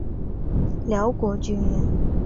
辽国军人。